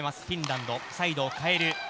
フィンランド、サイドを変える。